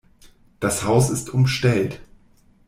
Das Haus ist umstellt.